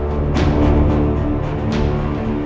jini jini jini